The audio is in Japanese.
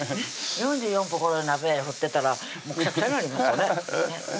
４４分この鍋振ってたらくしゃくしゃになりますわね